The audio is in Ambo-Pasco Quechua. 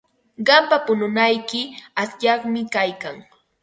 Qampa pununayki asyaqmi kaykan.